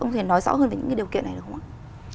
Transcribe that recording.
ông có thể nói rõ hơn về những điều kiện này được không ạ